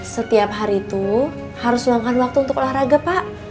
setiap hari itu harus luangkan waktu untuk olahraga pak